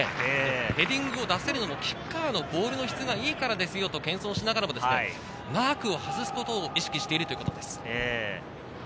ヘディングを出せるのもキッカーのボールの質がいいからですよと謙遜しながらも、マークを外すことを意識しているということです。